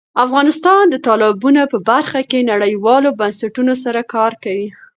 افغانستان د تالابونه په برخه کې نړیوالو بنسټونو سره کار کوي.